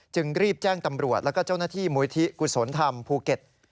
จึงรีบแจ้งตำรวจแล้วก็เจ้าหน้าที่มูลที่กุศลธรรมภูเก็ต